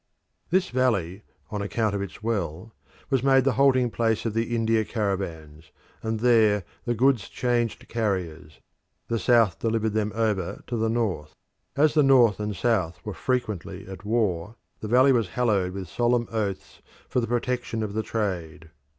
This valley, on account of its well, was made the halting place of the India caravans, and there the goods changed carriers the south delivered them over to the north. As the north and south were frequently at war, the valley was hallowed with solemn oaths for the protection of the trade.